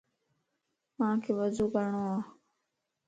مانک وضو ڪرڻو ا.